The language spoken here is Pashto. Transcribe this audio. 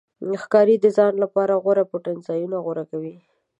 ښکاري د ځان لپاره غوره پټنځایونه غوره کوي.